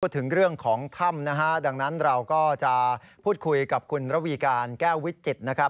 ถึงเรื่องของถ้ำนะฮะดังนั้นเราก็จะพูดคุยกับคุณระวีการแก้ววิจิตรนะครับ